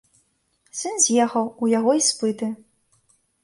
Сын з'ехаў, у яго іспыты.